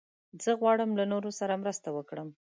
زه غواړم له نورو سره مرسته وکړم.